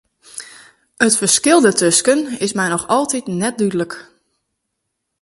It ferskil dêrtusken is my noch altiten net dúdlik.